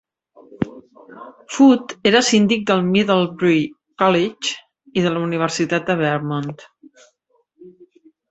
Foot era síndic del Middlebury College i de la Universitat de Vermont.